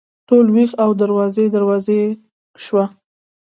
ټول ویښ او دروازې، دروازې شوه